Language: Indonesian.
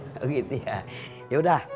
oh gitu ya yaudah